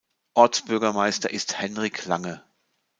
Ortsbürgermeister ist Henrik Lange.